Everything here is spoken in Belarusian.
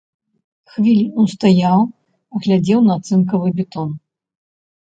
Хвіліну стаяў, глядзеў на цынкавы бітон.